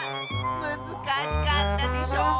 むずかしかったでしょう？